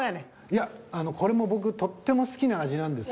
いやこれも僕とっても好きな味なんです。